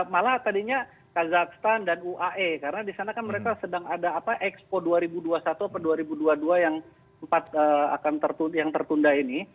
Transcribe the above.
malah tadinya kazakhstan dan uae karena di sana kan mereka sedang ada expo dua ribu dua puluh satu atau dua ribu dua puluh dua yang tertunda ini